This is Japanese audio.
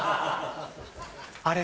あれ？